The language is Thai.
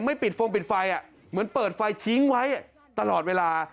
ปิดฟงปิดไฟเหมือนเปิดไฟทิ้งไว้ตลอดเวลา